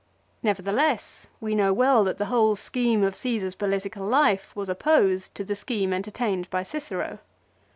Nevertheless, we know well that the whole scheme of Caesar's political life was opposed to the scheme entertained by Cicero.